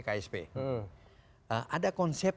ksp ada konsep